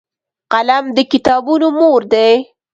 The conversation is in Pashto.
قلم د کتابونو مور دی